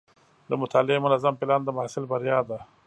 د مطالعې منظم پلان د محصل بریا ده.